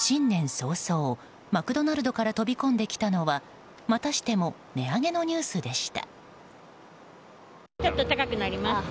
早々、マクドナルドから飛び込んできたのはまたしても値上げのニュースでした。